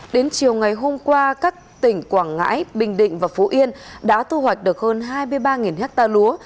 đến chiều ngày hôm qua các tỉnh quảng ngãi bình định và phú yên đã thu hoạch được hơn hai mươi ba ha lúa